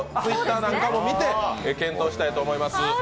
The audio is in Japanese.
Ｔｗｉｔｔｅｒなんかも見て検討したいと思います。